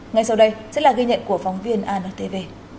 ngay sau đây sẽ là ghi nhận của phóng viên antv